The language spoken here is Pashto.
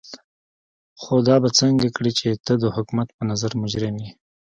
خو دا به څنګه کړې چې ته د حکومت په نظر مجرم يې.